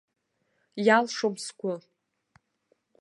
Иалшом сгәы!